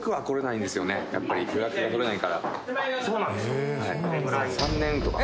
そうなんですか。